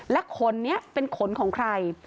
และขนนี้เป็นขนของใคร